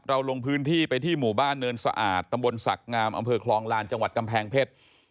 ลงพื้นที่ไปที่หมู่บ้านเนินสะอาดตำบลศักดิ์งามอำเภอคลองลานจังหวัดกำแพงเพชร